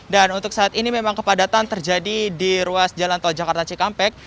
untuk saat ini memang kepadatan terjadi di ruas jalan tol jakarta cikampek